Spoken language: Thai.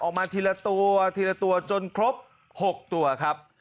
ออกมาทีละตัวทีละตัวจนครบ๖ตัวครับ